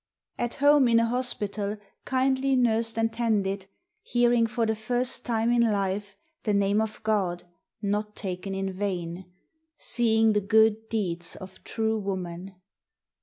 At home in a hospital kindly nursed and tended, hearing for the first time in life the name of God not taken in vain: seeing the good DEEDS of true woman...